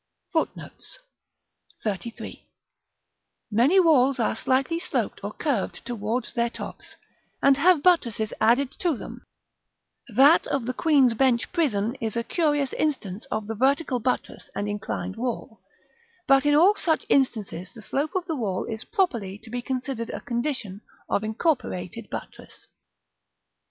FOOTNOTES: Many walls are slightly sloped or curved towards their tops, and have buttresses added to them (that of the Queen's Bench Prison is a curious instance of the vertical buttress and inclined wall); but in all such instances the slope of the wall is properly to be considered a condition of incorporated buttress.